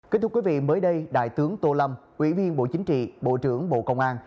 kính thưa quý vị mới đây đại tướng tô lâm ủy viên bộ chính trị bộ trưởng bộ công an